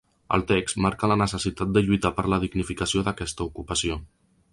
El text marca la necessitat de lluitar per la dignificació d’aquesta ocupació.